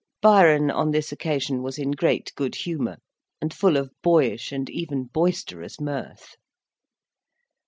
Byron, on this occasion, was in great good humour, and full of boyish and even boisterous mirth.